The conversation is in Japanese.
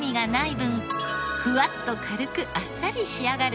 分ふわっと軽くあっさり仕上がる